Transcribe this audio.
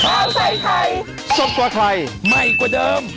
ข้าวใส่ไทยสดกว่าไทยใหม่กว่าเดิม